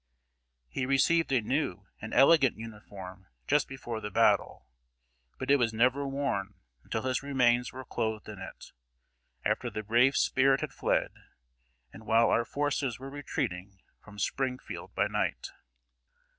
He received a new and elegant uniform just before the battle, but it was never worn until his remains were clothed in it, after the brave spirit had fled, and while our forces were retreating from Springfield by night.